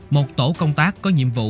một tổ công tác có nhiệm vụ